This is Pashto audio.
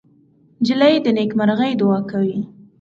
نجلۍ د نیکمرغۍ دعا کوي.